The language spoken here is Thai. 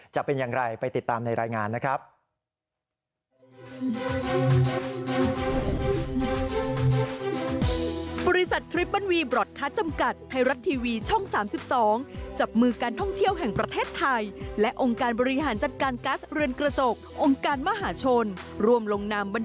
จะเป็นอย่างไรไปติดตามในรายงานนะครับ